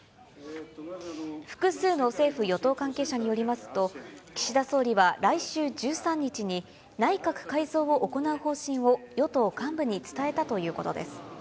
複数の政府・与党関係者によりますと、岸田総理は来週１３日に、内閣改造を行う方針を与党幹部に伝えたということです。